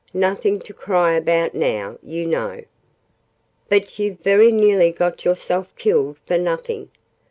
"Nothing to cry about now, you know. But you very nearly got yourself killed for nothing!"